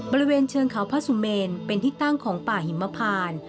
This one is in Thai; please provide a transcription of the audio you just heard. บริเวณเชิงเขาพระสุเมนเป็นที่ตั้งของป่าหิมพาน